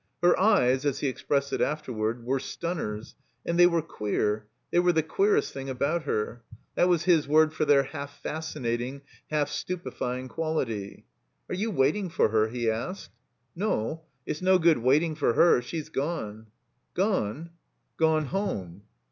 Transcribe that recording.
Her eyes, as he expressed it afterward, were "stun ners," and they were "queer"; they were the "queer est" thing about her. That was his word for their Jialf fasdnating, half stupefying quality. *'Ax^ you waiting for her?" he asked 71 THE COMBINED MAZE "No. It's no good waiting for her. She's gone." "Gone?" "Gone home."